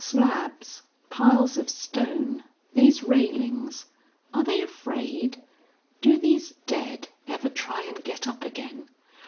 "Slabs, piles of stone, these railings.... Are they afraid?... Do these Dead ever try and get up again?